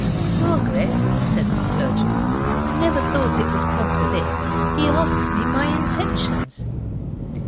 'Margaret,' said the clergyman, 'I never thought it would come to this: he asks me my intentions.